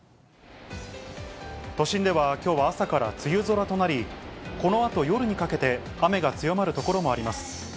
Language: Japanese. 都心ではきょうは朝から梅雨空となり、このあと夜にかけて、雨が強まる所があります。